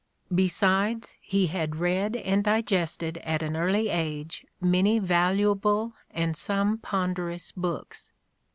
... Besides he had read and digested at an early age many valuable and some ponderous books.